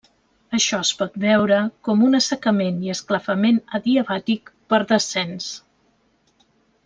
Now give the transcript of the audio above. Això es pot veure com un assecament i esclafament adiabàtic per descens.